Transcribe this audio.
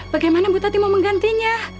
bagaimana bu tati mau menggantinya